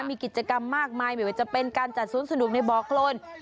มีกิจกรรมมากมายไม่ว่าจะเป็นการจัดสวนสนุกในบ่อโครน